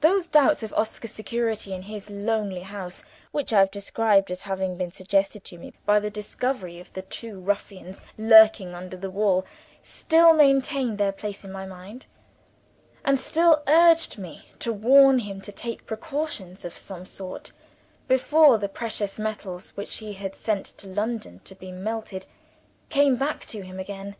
Those doubts of Oscar's security in his lonely house, which I have described as having been suggested to me by the discovery of the two ruffians lurking under the wall, still maintained their place in my mind; and still urged me to warn him to take precautions of some sort, before the precious metals which he had sent to London to be melted, came back to him again.